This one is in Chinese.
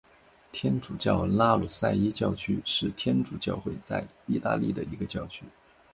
天主教拉努塞伊教区是天主教会在义大利的一个教区。